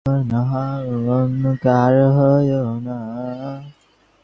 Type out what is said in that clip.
সে কথা বলে লাভ কী।